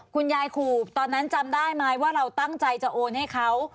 คุณยายขู่ตอนนั้นจำได้ไหมว่าเราตั้งใจจะโอนให้เขา